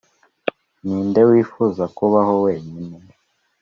ni inde wifuza kubaho wenyine